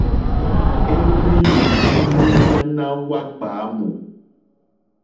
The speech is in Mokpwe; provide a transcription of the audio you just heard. Ì hwélì ndí múɲáná wá ɡbwǎmù.